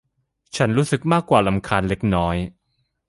ฉันรู้สึกมากกว่ารำคาญเล็กน้อย